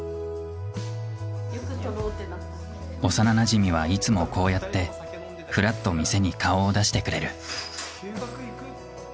幼なじみはいつもこうやってふらっと店に顔を出してくれる。